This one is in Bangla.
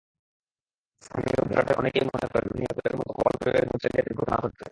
স্থানীয় ভোটারদের অনেকেই মনে করেন, ভূঞাপুরের মতো গোপালপুরেও ভোট জালিয়াতির ঘটনা ঘটবে।